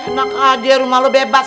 enak aja rumah lo bebas